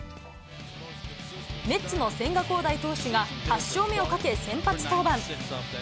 メッツの千賀滉大投手が８勝目をかけ、先発登板。